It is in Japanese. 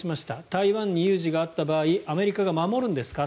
台湾に有事があった場合アメリカが守るんですか？